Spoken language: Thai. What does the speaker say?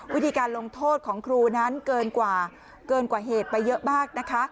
วิธีการลงโทษของครูนั้นเกินกว่าเหตุไปเยอะมากนะคะ